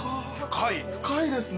深いですね。